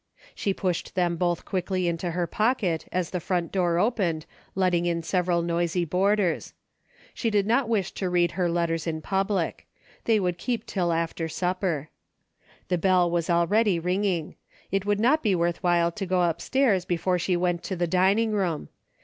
She pushed them both quickly into her pocket as the front door opened letting in several noisy boarders. She did not Avish to read her letters in public. They Avould keep till after supper. The bell A DAILY RATE.^ 9 was already ringing. It would not be worth while to go upstairs before she went to the dining room.